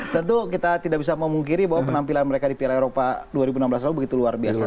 tentu kita tidak bisa memungkiri bahwa penampilan mereka di piala eropa dua ribu enam belas lalu begitu luar biasa